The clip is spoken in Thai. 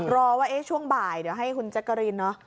รอว่าช่วงบ่ายให้คุณเจ๊การินนะ